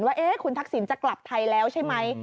ว่าคุณทักษิณจะกลับไทยแล้วใช่ไหม